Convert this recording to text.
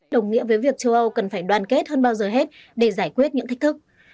đồng nghĩa với việc châu âu cần phải đoàn kết hơn bao giờ hết để giải quyết những thách thức